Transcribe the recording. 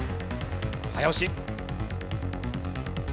早押し。